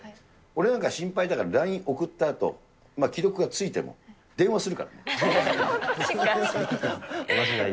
俺なんか心配だから、ライン送ったあと、既読がついても、電話するからね。